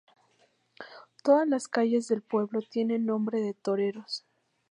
Todas las calles del pueblo tienen nombre de toreros.